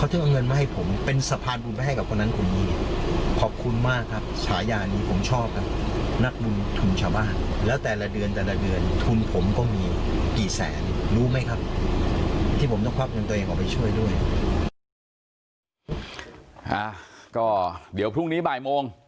รู้ไหมครับที่ผมต้องควับยนต์ตัวเองออกไปช่วยด้วย